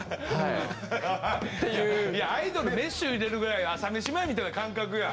いやアイドルメッシュ入れるぐらい朝飯前みたいな感覚や。